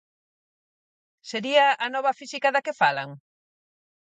Sería a "Nova Física" da que falan?